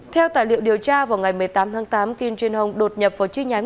theo tài liệu điều tra vào ngày một mươi tám tháng tám kim jun hong đột nhập vào chi nhánh